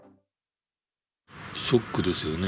ショックですよね。